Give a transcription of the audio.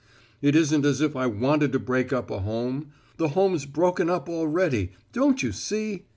It isn't as if I wanted to break up a home. The home's broken up already. Don't you see?